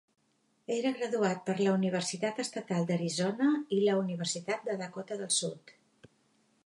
Era graduat per la Universitat Estatal d'Arizona i la Universitat de Dakota del Sud.